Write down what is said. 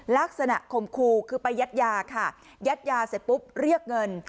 คมครูคือไปยัดยาค่ะยัดยาเสร็จปุ๊บเรียกเงิน